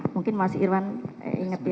mungkin mas irwan inget ya